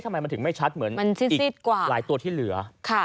ทำไมถึงไม่ชัดเหมือนอีกหลายตัวที่เหลือ